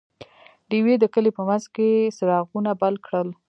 ډیوې د کلي په منځ کې څراغونه بل کړل.